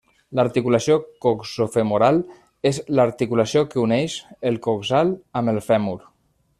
L'articulació coxofemoral és l'articulació que uneix el coxal amb el fèmur.